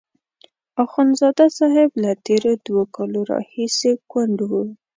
اخندزاده صاحب له تېرو دوو کالو راهیسې کونډ وو.